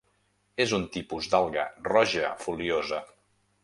És un tipus d'alga roja foliosa.